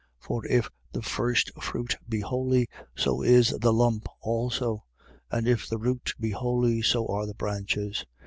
11:16. For if the firstfruit be holy, so is the lump also: and if the root be holy, so are the branches.